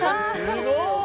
すごい！